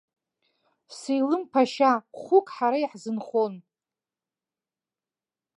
Селым-ԥашьа, хәык ҳара иаҳзынхон.